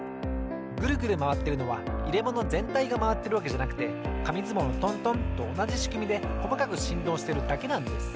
グルグルまわってるのはいれものぜんたいがまわってるわけじゃなくてかみずもうのトントンとおなじしくみでこまかくしんどうしてるだけなんです。